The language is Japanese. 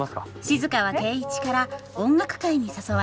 静は圭一から音楽会に誘われます